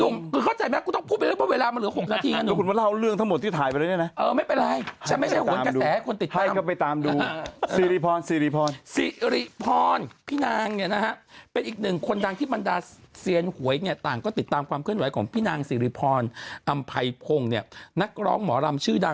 ในสุดหรือไม่ต้องดูละตัวแม่มาละไม่ต้องดูละ